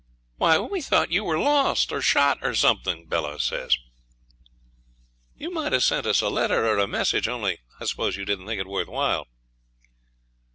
'Why, we thought you were lost, or shot, or something,' Bella says. 'You might have sent us a letter, or a message, only I suppose you didn't think it worth while.'